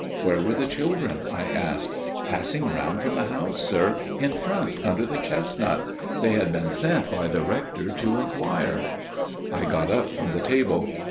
"Where were the children?" I asked. "Passing round from the house, sir, in front, under the chestnut. They had been sent by the Rector to inquire." I got up from the table.